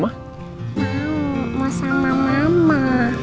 mau mau sama mama